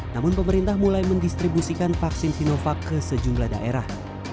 namun pemerintah mulai mendistribusikan vaksin sinovac ke sejumlah daerah